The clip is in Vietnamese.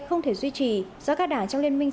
không thể duy trì do các đảng trong liên minh